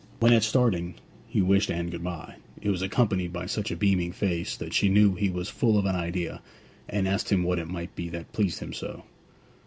When, at starting, he wished Anne goodbye, it was accompanied by such a beaming face, that she knew he was full of an idea, and asked what it might be that pleased him so.